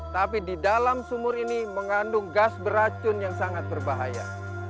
tapi di dalam sumur ini mengandung gas beracun yang sangat berbahaya